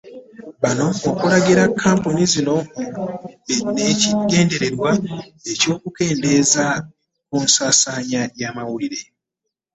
Bano okulagira kkampuni zino n'ekigendererwa eky'okukendeeza ku nsaasaanya y'amawulire